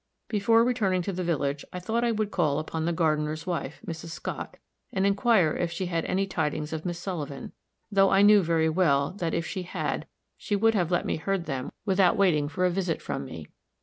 Before returning to the village I thought I would call upon the gardener's wife, Mrs. Scott, and inquire if she had any tidings of Miss Sullivan; though I knew very well that if she had, she would have let me heard them without waiting for a visit from me.